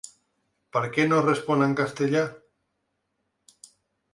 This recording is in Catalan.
Per què no respon en castellà?